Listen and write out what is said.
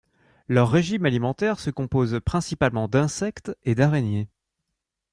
Leur régime alimentaire se compose principalement d'insectes et d'araignées.